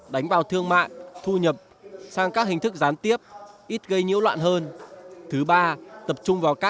để lãng pháp chúng ta sẽ tiếp tục bước ba